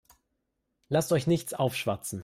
Lasst euch nichts aufschwatzen.